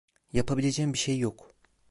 Yapabileceğim bir şey yok.